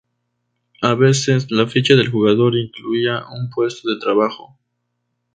A veces, la ficha de jugador incluía un puesto de trabajo.